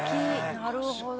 なるほど」